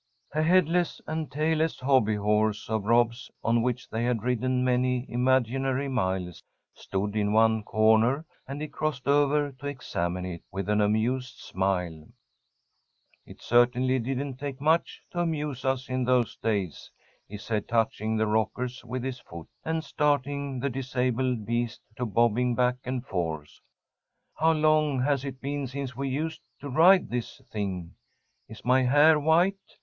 A headless and tailless hobby horse of Rob's, on which they had ridden many imaginary miles, stood in one corner, and he crossed over to examine it, with an amused smile. "It certainly didn't take much to amuse us in those days," he said, touching the rockers with his foot, and starting the disabled beast to bobbing back and forth. "How long has it been since we used to ride this thing? Is my hair white?